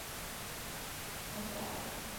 二甲基甲醯胺是利用甲酸和二甲基胺制造的。